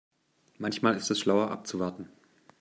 Manchmal ist es schlauer abzuwarten.